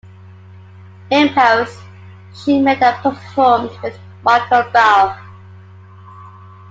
In Paris, she met and performed with Michael Balfe.